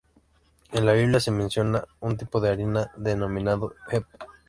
En la Biblia se menciona un tipo de harina denominado "Heb.